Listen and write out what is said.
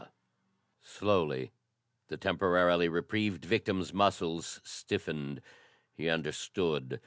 Slowly, the temporarily reprieved victim's muscles stiffened. He understood.